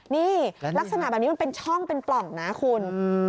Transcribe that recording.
นี่ลักษณะแบบนี้มันเป็นช่องเป็นปล่องนะคุณ